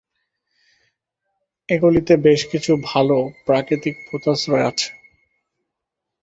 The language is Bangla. এগুলিতে বেশ কিছু ভাল প্রাকৃতিক পোতাশ্রয় আছে।